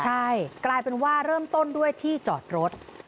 ใช่กลายเป็นว่าเริ่มต้นด้วยที่จอดรถ